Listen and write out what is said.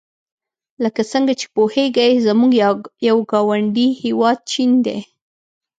لکه څنګه چې پوهیږئ زموږ یو ګاونډي هېواد چین دی.